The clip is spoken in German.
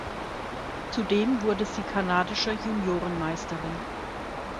Zudem wurde sie kanadische Juniorenmeisterin.